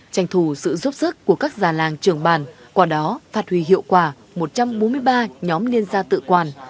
tranh thủ sự giúp sức của các già làng trưởng bàn qua đó phát huy hiệu quả một trăm bốn mươi ba nhóm liên gia tự quản